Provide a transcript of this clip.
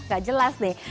gak jelas deh